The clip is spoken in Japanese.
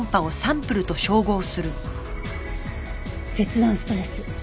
切断ストレス。